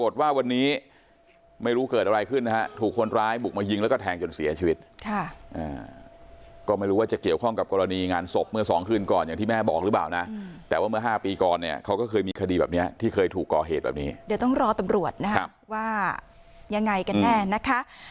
ถูกคนร้ายบุกมายิงแล้วก็แทงจนเสียชีวิตค่ะก็ไม่รู้ว่าจะเกี่ยวข้องกับกรณีงานศพเมื่อ๒คืนก่อนอย่างที่แม่บอกหรือเปล่านะแต่ว่าเมื่อ๕ปีก่อนเนี่ยเขาก็เคยมีคดีแบบนี้ที่เคยถูกก่อเหตุแบบนี้เดี๋ยวต้องรอตำรวจนะว่ายังไงกันแน่นะคะ